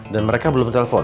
dan mereka belum telpon